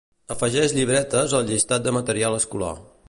Afegeix llibretes al llistat de material escolar.